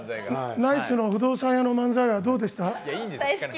ナイツの不動産屋の漫才はどうでした？